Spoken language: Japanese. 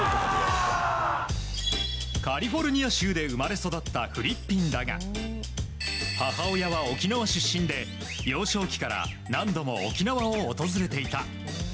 カリフォルニア州で生まれ育ったフリッピンだが母親は、沖縄出身で幼少期から何度も沖縄を訪れていた。